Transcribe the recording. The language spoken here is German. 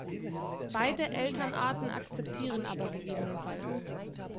Beide Elternarten akzeptieren aber ggf.